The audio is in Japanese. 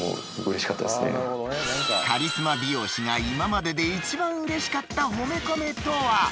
カリスマ美容師が今までで一番嬉しかった褒めコメとは？